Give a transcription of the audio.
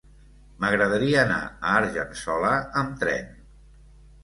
M'agradaria anar a Argençola amb tren.